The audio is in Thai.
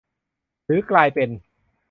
หรือกลายเป็น